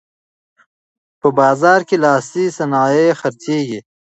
په بازار کې لاسي صنایع خرڅیږي.